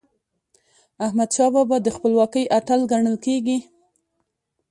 احمدشاه بابا د خپلواکی اتل ګڼل کېږي.